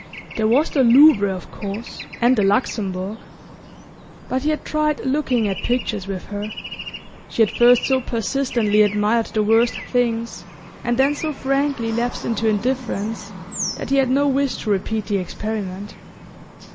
There was the Louvre, of course, and the Luxembourg; but he had tried looking at pictures with her, she had first so persistently admired the worst things, and then so frankly lapsed into indifference, that he had no wish to repeat the experiment.